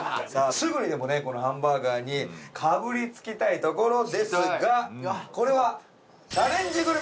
すぐにでもねこのハンバーガーにかぶりつきたいところですがそっか！